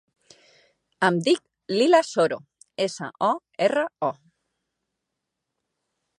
Em dic Lila Soro: essa, o, erra, o.